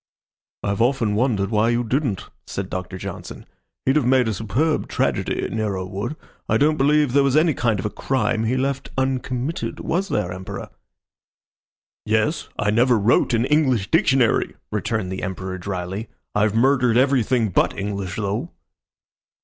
"I've often wondered why you didn't," said Doctor Johnson. "He'd have made a superb tragedy, Nero would. I don't believe there was any kind of a crime he left uncommitted. Was there, Emperor?" "Yes. I never wrote an English dictionary," returned the Emperor, dryly. "I've murdered everything but English, though."